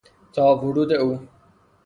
تا ورود او